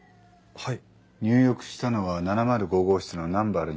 はい。